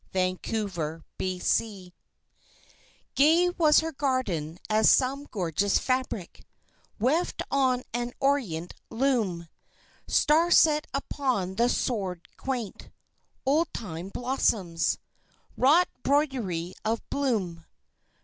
Afterbloom Gay was her garden as some gorgeous fabric Weft on an Orient loom, Star set upon the sward quaint, old time blossoms Wrought broidery of bloom.